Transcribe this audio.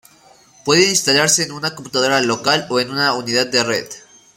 Puede instalarse en una computadora local o en una unidad de red.